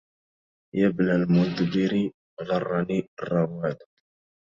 يا ابن المدبر غرني الرواد